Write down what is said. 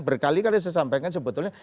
berkali kali saya sampaikan sebetulnya